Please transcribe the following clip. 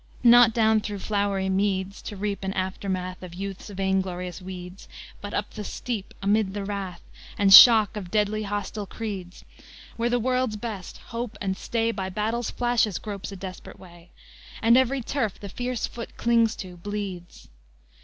Not down through flowery meads, To reap an aftermath Of youth's vainglorious weeds, But up the steep, amid the wrath And shock of deadly hostile creeds, Where the world's best hope and stay By battle's flashes gropes a desperate way, And every turf the fierce foot clings to bleeds.